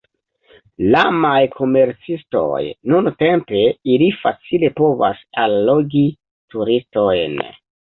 Iamaj komercistoj, nuntempe, ili facile povas allogi turistojn.